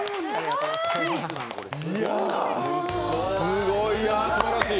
すごい、すばらしい！